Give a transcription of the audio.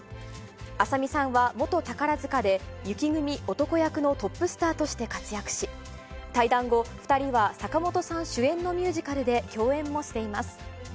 朝海さんは元宝塚で、雪組男役のトップスターとして活躍し、退団後、２人は坂本さん主演のミュージカルで共演もしています。